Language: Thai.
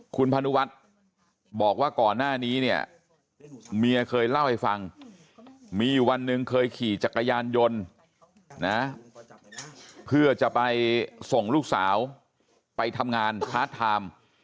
คุณพนุวัฒน์บอกว่าก่อนหน้านี้เนี่ยเมียเคยเล่าให้ฟังมีอยู่วันหนึ่งเคยขี่จักรยานยนต์นะเพื่อจะไปส่งลูกสาวไปทำงานพาร์ทไทม์